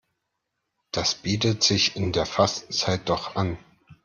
Das bietet sich in der Fastenzeit doch an.